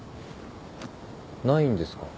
ないんですか？